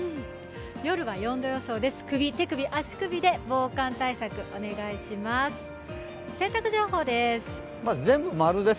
夜は４度予想です。